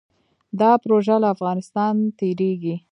دا پروژه له افغانستان تیریږي